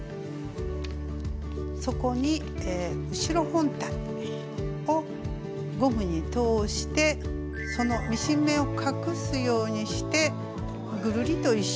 そこに後ろ本体をゴムに通してそのミシン目を隠すようにしてぐるりと１周まつります。